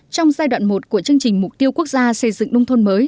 trong giai đoạn một của chương trình mục tiêu quốc gia xây dựng nông thôn mới